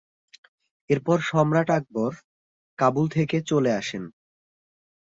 এরপর সম্রাট আকবর কাবুল থেকে চলে আসেন।